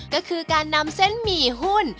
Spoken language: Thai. ก็คือการนำเส้นหมี่หุ้น